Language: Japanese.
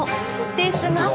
ですが。